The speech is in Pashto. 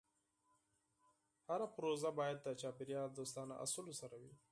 هره پروژه باید د چاپېریال دوستانه اصولو سره وي.